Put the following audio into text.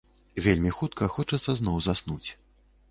Вельмі хутка хочацца зноў заснуць.